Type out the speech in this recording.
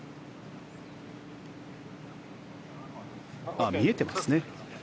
あっ、見えてますね。